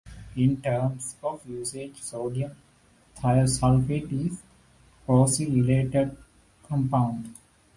In terms of usage, sodium thiosulfate is a closely related compound.